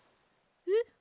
えっ？